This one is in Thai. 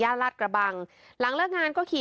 ลาดกระบังหลังเลิกงานก็ขี่